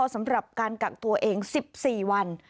สำหรับการกักตัวเอง๑๔วัน